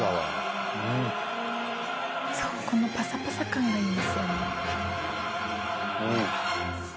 このパサパサ感がいいんですよ。